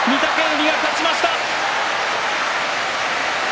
御嶽海が勝ちました。